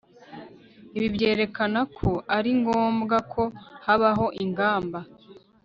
ibi byerekanako ari ngombwako habaho ingamba